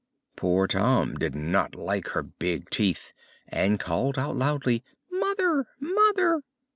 Poor Tom did not like her big teeth, and called out loudly, "Mother, mother!"